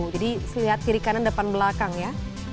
jadi lihat kiri kanan depan belakang ya